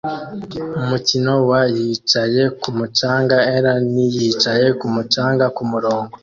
Umukino wa yicaye kumu canga er ni yicaye kumu canga kumurongo